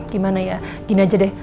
gimana ya gini aja deh